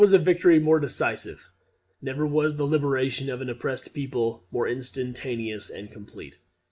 ] Never was victory more decisive, never was the liberation of an oppressed people more instantaneous and complete.